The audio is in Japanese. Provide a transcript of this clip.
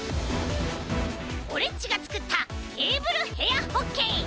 オレっちがつくったテーブルへやホッケー！